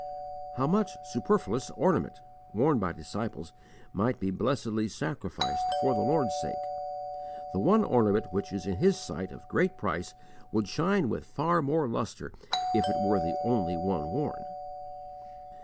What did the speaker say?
How much superfluous ornament, worn by disciples, might be blessedly sacrificed for the Lord's sake! The one ornament which is in His sight of great price would shine with far more lustre if it were the only one worn.